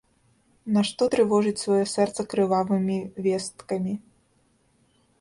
Нашто трывожыць сваё сэрца крывавымі весткамі.